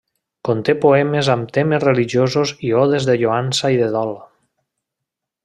Conté poemes amb temes religiosos i odes de lloança i de dol.